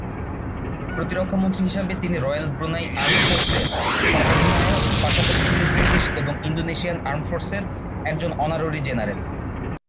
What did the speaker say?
প্রতিরক্ষা মন্ত্রী হিসাবে তিনি রয়্যাল ব্রুনাই আর্মড ফোর্সের সর্বাধিনায়ক, পাশাপাশি তিনি ব্রিটিশ এবং ইন্দোনেশিয়ান আর্মড ফোর্সের একজন অনারারি জেনারেল।